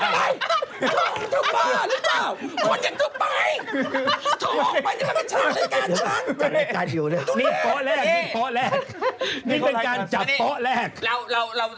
นี่เป็นการจับโต๊ะแรก